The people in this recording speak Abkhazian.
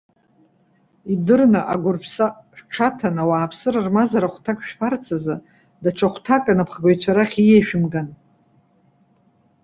Идырны, агәырԥса шәҽаҭаны, ауааԥсыра рмазара ахәҭак шәфарц азы, даҽа хәҭак анапхгаҩцәа рахь ииашәымган.